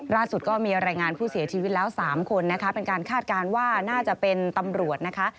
ก็มีรายงานผู้เสียชีวิตแล้ว๓คนนะคะเป็นการคาดการณ์ว่าน่าจะเป็นตำรวจนะคะ